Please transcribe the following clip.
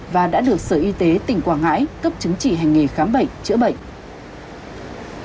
và đã được sở y tế tỉnh quảng ngãi cấp chứng chỉ hành nghề khám bệnh chữa bệnh